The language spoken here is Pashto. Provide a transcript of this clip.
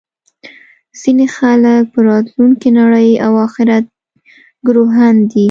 ځینې خلک په راتلونکې نړۍ او اخرت ګروهن دي